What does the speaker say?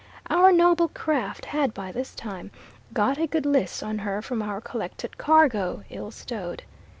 Our noble craft had by this time got a good list on her from our collected cargo ill stowed.